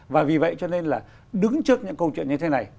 và vì vậy cho nên là đứng trước những câu chuyện như thế này